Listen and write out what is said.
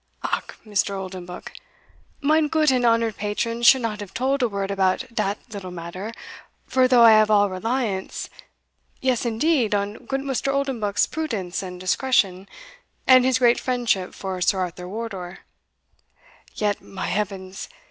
"Ach, Mr. Oldenbuck, mine goot and honoured patron should not have told a word about dat little matter; for, though I have all reliance yes, indeed, on goot Mr. Oldenbuck's prudence and discretion, and his great friendship for Sir Arthur Wardour yet, my heavens!